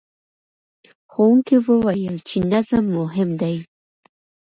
ښوونکي وویل چې نظم مهم دی.